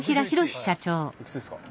おいくつですか。